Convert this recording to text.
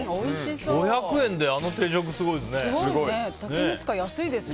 ５００円であの定食すごいね。